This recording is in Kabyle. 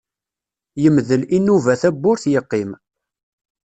Yemdel Inuba tawwurt yeqqim.